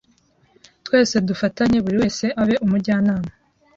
twese dufatanye buri wese abe umujyanama